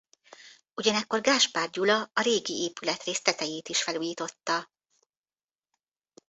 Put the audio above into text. Ugyanekkor Gáspár Gyula a régi épületrész tetejét is felújította.